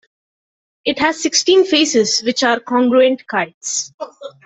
It has sixteen faces which are congruent kites.